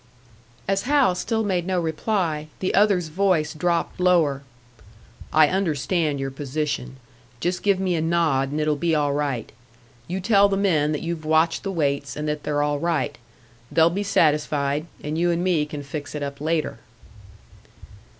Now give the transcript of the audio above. As Hal still made no reply, the other's voice dropped lower. "I understand your position. Just give me a nod, and it'll be all right. You tell the men that you've watched the weights, and that they're all right. They'll be satisfied, and you and me can fix it up later."